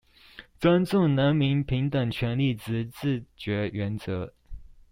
尊重人民平等權利及自決原則